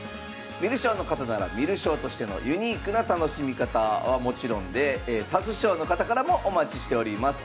観る将の方なら観る将としてのユニークな楽しみ方はもちろんで指す将の方からもお待ちしております。